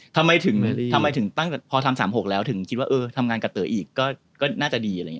ทำไมถึงเพราะทำ๓๖แล้วถึงเราคิดว่าทำงานกับเต๋ออีกก็น่าจะดี